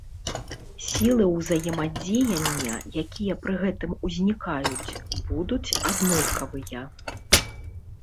Сілы ўзаемадзеяння, якія пры гэтым узнікаюць, будуць аднолькавыя.